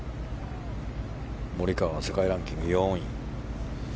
モリカワは世界ランキング４位。